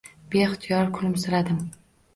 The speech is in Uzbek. Beihtiyor kulimsiradim